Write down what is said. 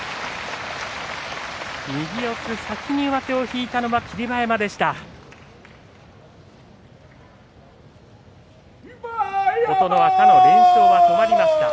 右四つ、先に上手を引いたのは霧馬山でした。